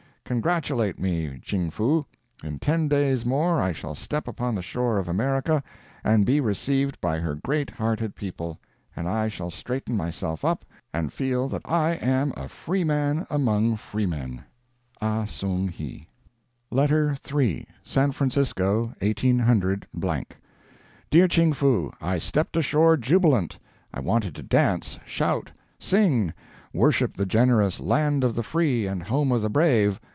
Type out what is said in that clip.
Congratulate me, Ching Foo! In ten days more I shall step upon the shore of America, and be received by her great hearted people; and I shall straighten myself up and feel that I am a free man among freemen. AH SONG HI. *Pacific and Mediterranean steamship bills.—[ED. MEM.] LETTER III. SAN FRANCISCO, 18— DEAR CHING FOO: I stepped ashore jubilant! I wanted to dance, shout, sing, worship the generous Land of the Free and Home of the Brave.